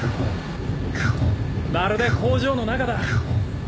まるで工場の中だ。